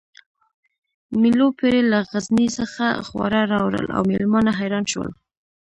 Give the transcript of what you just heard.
مېلو پېري له غزني څخه خواړه راوړل او مېلمانه حیران شول